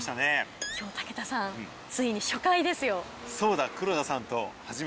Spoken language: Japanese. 武田さん、ついに初回ですよ。